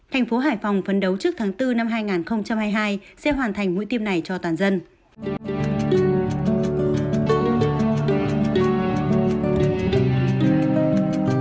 thành phố hải phòng phấn đấu trước tháng bốn năm hai nghìn hai mươi hai sẽ hoàn thành mũi tiêm này cho toàn dân